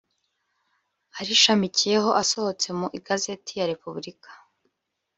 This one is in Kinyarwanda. arishamikiyeho asohotse mu Igazeti ya Repubulika